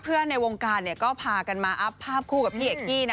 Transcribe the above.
เพื่อนในวงการเนี่ยก็พากันมาอัพภาพคู่กับพี่เอกกี้นะ